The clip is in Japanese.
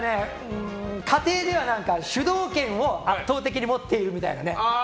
家庭では主導権を圧倒的に持っているみたいなね。